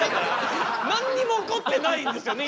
何にも起こってないんですよね